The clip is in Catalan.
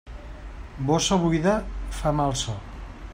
Bossa buida fa mal so.